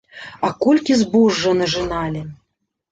А колькі збожжа нажыналі!